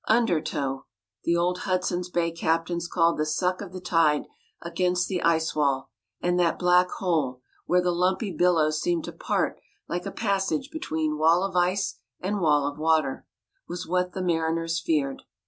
"Undertow," the old Hudson's Bay captains called the suck of the tide against the ice wall; and that black hole, where the lumpy billows seemed to part like a passage between wall of ice and wall of water, was what the mariners feared.